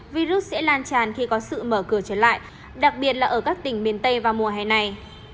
virus sẽ lan tràn khi có sự mở cửa trở lại đặc biệt là ở các tỉnh miền tây vào mùa hè này